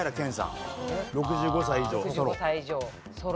６５歳以上ソロ。